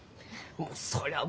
もうそりゃあ